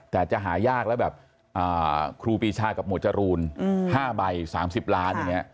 แต่จะหายากแล้วแบบครูปีชากับหมวดจรูน๕ใบ๓๐ล้านอย่างนี้